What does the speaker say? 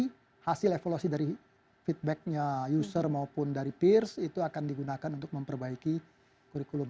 jadi hasil evaluasi dari feedbacknya user maupun dari peers itu akan digunakan untuk memperbaiki kurikulum